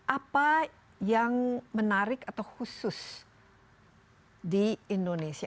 apa yang menarik atau khusus di indonesia